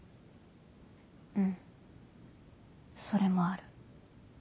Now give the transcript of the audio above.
うんそれもある。